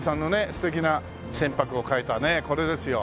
素敵な船舶を描いたねこれですよ。